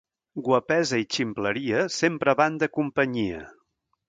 Guapesa i ximpleria sempre van de companyia.